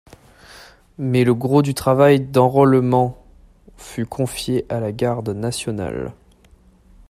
Mais le gros du travail d’enrôlement fut confié à la Garde nationale.